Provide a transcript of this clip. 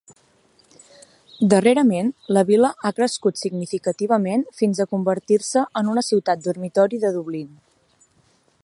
Darrerament la vila ha crescut significativament fins a convertir-se en una ciutat dormitori de Dublín.